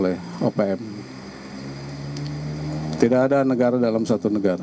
tidak ada negara dalam satu negara